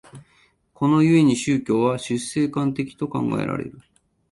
この故に宗教は出世間的と考えられる。